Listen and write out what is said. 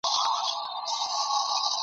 د پانوس جنازه وزي خپلي شمعي سوځولی .